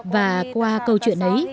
và qua câu chuyện ấy